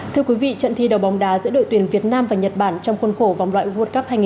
thưa quý vị trận thi đầu bóng đá giữa đội tuyển việt nam và nhật bản trong khuôn khổ vòng loại world cup hai nghìn hai mươi